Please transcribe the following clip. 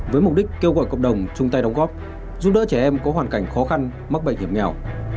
với mục đích kêu gọi cộng đồng chung tay đóng góp giúp đỡ trẻ em có hoàn cảnh khó khăn mắc bệnh hiểm nghèo